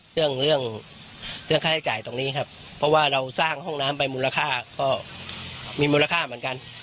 เรื่องเรื่องค่าใช้จ่ายตรงนี้ครับเพราะว่าเราสร้างห้องน้ำไปมูลค่าก็มีมูลค่าเหมือนกัน